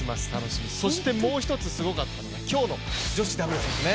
そして、もう一つすごかったのが女子ダブルスですね。